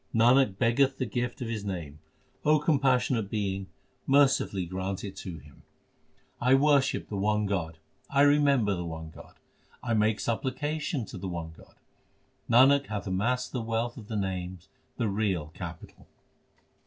Nanak beggeth the gift of His name : O compassionate Being, mercifully grant it to him. 382 THE SIKH RELIGION I worship the one God, I remember the one God, I make supplication to the one God. Nanak hath amassed the wealth of the Name, the real capital.